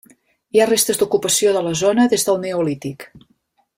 Hi ha restes d'ocupació de la zona des del Neolític.